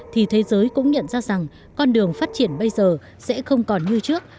thì thế giới cũng nhận ra rằng con đường phát triển bây giờ sẽ không còn như trước